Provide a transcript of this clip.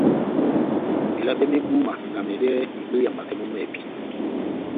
Melabɛ mé búma na mɛdɛ́hɛ́ ibwéya makɛ mɔ́ mɛ́hɛ́pi.